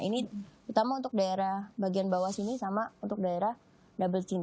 ini utama untuk daerah bagian bawah sini sama untuk daerah double channe